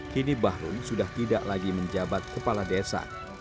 kini bahrun sudah tidak lagi menjabat kepala desa